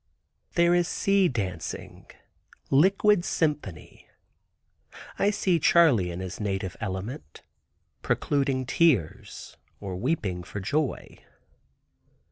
There is sea dancing—liquid symphony. I see Charley in his native element, precluding tears or weeping for joy.